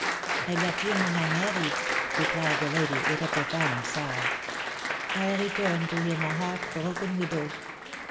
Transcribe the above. "I left him when I married," replied the lady, with a profound sigh. "I returned to him a heart broken widow."